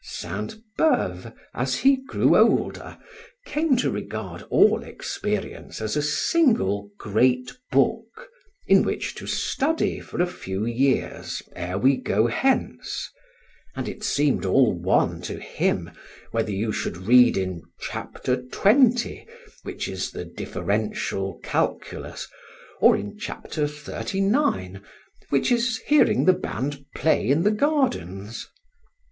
Sainte Beuve, as he grew older, came to regard all experience as a single great book, in which to study for a few years ere we go hence; and it seemed all one to him whether you should read in Chapter xx., which is the differential calculus, or in Chapter xxxix., which is hearing the band play in the gardens.